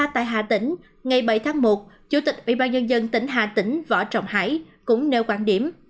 một mươi ba tại hà tỉnh ngày bảy tháng một chủ tịch bị ban nhân dân tỉnh hà tỉnh võ trọng hải cũng nêu quan điểm